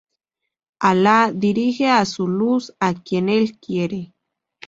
Alá dirige a Su Luz a quien Él quiere.